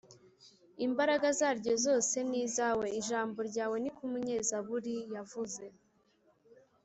. Imbaraga zaryo zoze ni izawe. “Ijambo ryawe,” niko umunyezaburi yavuze